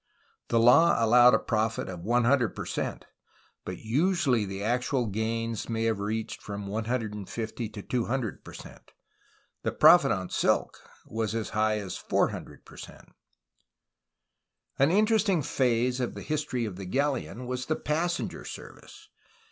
The law allowed a profit of 100 per cent, but usually the actual gains may have reached from 150 to 200 per cent; the profit on silk was as high as 400 per cent. An interesting phase of the history of the galleon was the passenger service.